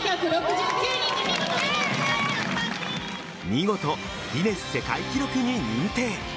見事、ギネス世界記録に認定。